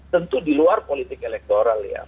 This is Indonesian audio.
tentu di luar politik elektoral ya